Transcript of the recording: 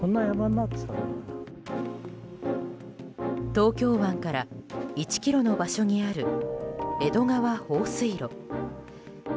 東京湾から１ｋｍの場所にある江戸川放水路。